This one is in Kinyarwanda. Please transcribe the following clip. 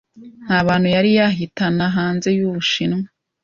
Nta bantu yari yahitana hanze y'Ubushinwa